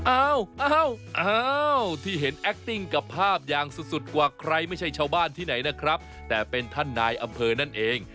อ้าวที่เห็นแอคติ้งกับภาพอย่างสุดกว่าใครไม่ใช่ชาวบ้านที่ไหนนะครับแต่เป็นท่านนายอำเภอนั่นเอง